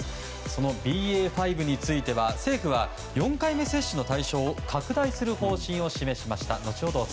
そのＢＡ．５については政府は４回目接種の対象を拡大する方針を示しました。